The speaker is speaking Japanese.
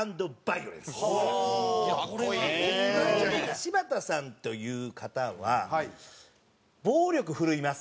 柴田さんという方は暴力振るいます。